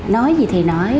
nói gì thì nói